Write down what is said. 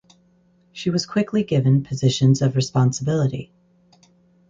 She was quickly given positions of responsibility.